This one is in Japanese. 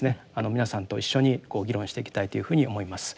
皆さんと一緒にこう議論していきたいというふうに思います。